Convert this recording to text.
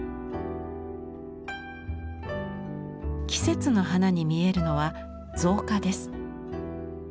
季節の花に見えるのは造花です。